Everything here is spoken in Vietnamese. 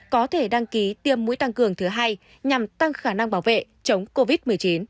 có thể đăng ký tiêm mũi tăng cường thứ hai nhằm tăng khả năng bảo vệ chống covid một mươi chín